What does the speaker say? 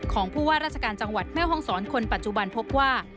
ของผู้ว่าราชการจังหวัดแม่ห้องศรคนปัจจุบันพบว่า